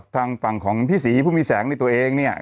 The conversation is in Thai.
ทางฝั่งของพี่ศรีผู้มีแสงในตัวเองเนี่ย